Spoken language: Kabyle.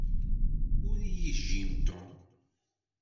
Ur iyi-yejjim Tom.